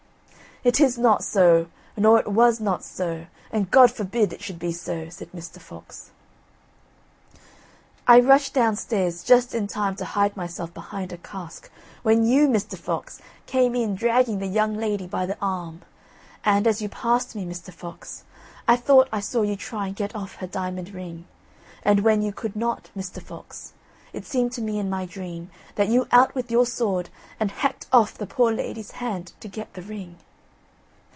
"It is not so, nor it was not so. And God forbid it should be so," said Mr. Fox. "I rushed downstairs, just in time to hide myself behind a cask, when you, Mr. Fox, came in dragging the young lady by the arm. And, as you passed me, Mr. Fox, I thought I saw you try and get off her diamond ring, and when you could not, Mr. Fox, it seemed to me in my dream, that you out with your sword and hacked off the poor lady's hand to get the ring."